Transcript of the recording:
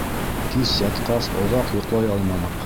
Кис ятҡас, оҙаҡ йоҡлай алманыҡ.